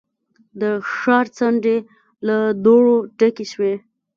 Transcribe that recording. د ښار څنډې له دوړو ډکې شوې.